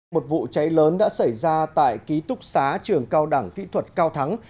một vụ cháy lớn đã xảy ra tại ký túc xá trường cao đẳng kỹ thuật cao thắng